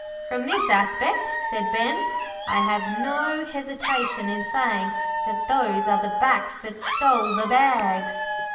'From this aspect,' said Ben, 'I have no hesitation in saying that those are the backs that stole the bags.'